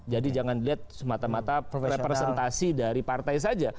jadi jangan dilihat semata mata representasi dari partai saja